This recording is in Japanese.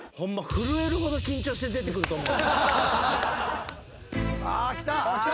震えるほど緊張して出てくると思う。